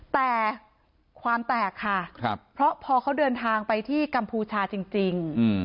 แต่ความแตกค่ะเพราะพอเขาเดินทางไปที่กัมพูชาจริง